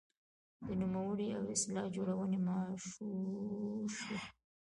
د نومونې او اصطلاح جوړونې مغشوشوي.